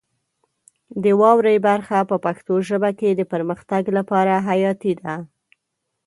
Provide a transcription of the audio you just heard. د واورئ برخه په پښتو ژبه کې د پرمختګ لپاره حیاتي ده.